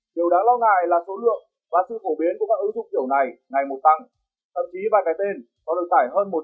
điều đáng lo ngại là số lượng và sự phổ biến của các ứng dụng kiểu này ngày một tăng thậm chí vài cái tên còn được tải hơn một trăm linh